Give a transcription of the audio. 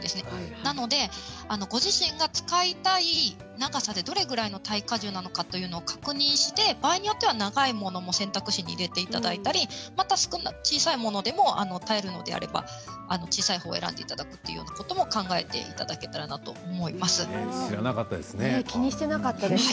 なのでご自身が使いたい長さで、どれくらいの耐荷重なのかということを確認して、場合によっては長いものも選択肢に入れていただいたりまた小さいものでも耐えられるのであれば小さいほうを選んでいただくということも考えていただけたら知らなかったですね。